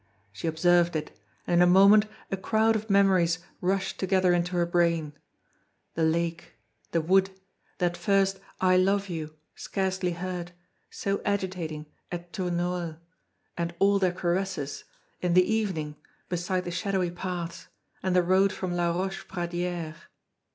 She observed it; and in a moment a crowd of memories rushed together into her brain: the lake, the wood, that first "I love you," scarcely heard, so agitating, at Tournoel, and all their caresses, in the evening, beside the shadowy paths, and the road from La Roche Pradière.